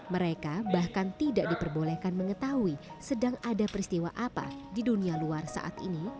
mereka bahkan tidak diperbolehkan mengetahui sedang ada peristiwa apa di dunia luar saat ini